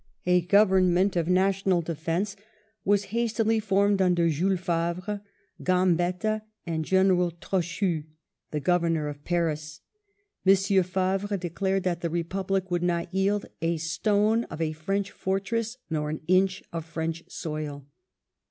A Government of National Defence was hastily formed under Jules Favre, Gambetta, and General Trochu, the Governor of Paris. M. Favre declared that the Republic would not yield " a stone of a French fortress nor an inch of French soil